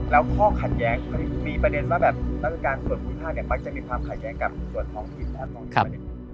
แล้วข้อขัดแย้งมีประเด็นว่าแบบแล้วกับการส่วนภูมิภาคอย่างปั๊กจะมีความขัดแย้งกับส่วนท้องผิดและส่วนท้องผิด